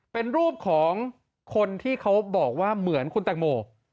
เป็นรูปของคนที่เขาบอกว่าเหมือนคุณแตงโม